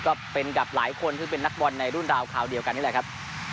ก็เป็นกับหลายคนซึ่งเป็นนักบอลในรุ่นราวคราวเดียวกันนี่แหละครับ